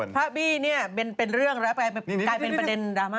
บี้เนี่ยเป็นเรื่องแล้วกลายเป็นประเด็นดราม่า